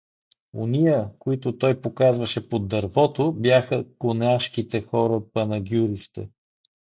Ония, които той показваше под дървото, бяха конашките хора от Панагюрище.